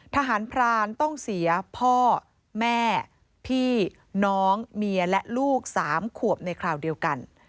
ทหารพรานต้องเสียพ่อแม่พี่น้องเมียและลูก๓ขวบในคราวเดียวกัน